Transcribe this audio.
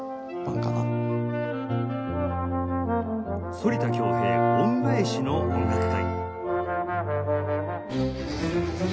「反田恭平恩返しの音楽会」